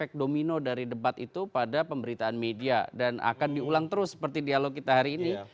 efek domino dari debat itu pada pemberitaan media dan akan diulang terus seperti dialog kita hari ini